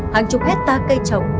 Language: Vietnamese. hàng chục hectare cây trồng